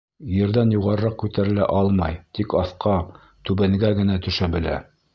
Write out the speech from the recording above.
Ерҙән юғарыраҡ күтәрелә алмай, тик аҫҡа, түбәнгә генә төшә белә.